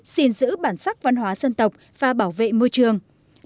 xin giữ bản sắc văn hóa dân tộc và bảo vệ môi trường